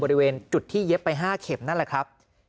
บริเวณจุดที่เย็บไป๕เข็มนั่นแหละครับ